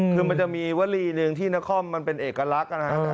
คือมันจะมีวลีหนึ่งที่นครมันเป็นเอกลักษณ์นะฮะ